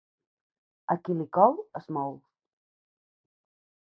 A qui li cou, es mou.